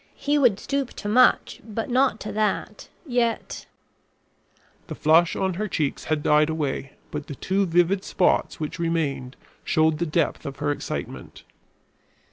He would stoop to much, but not to that; yet " The flush on her cheeks had died away, but the two vivid spots which remained showed the depth of her excitement.